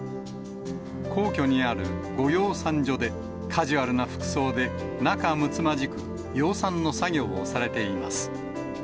皇居にある御養蚕所で、カジュアルな服装で仲むつまじく、養蚕の作業をされています。